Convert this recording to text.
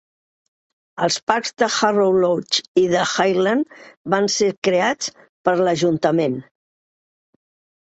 Els parcs de Harrow Lodge i de Hylands van ser creats per l'ajuntament.